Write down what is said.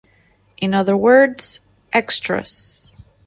In other words, extras.